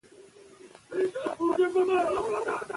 زه هره ورځ کاغذ بیاکاروم.